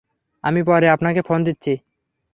আমি পরে আপনাকে ফোন দিচ্ছি!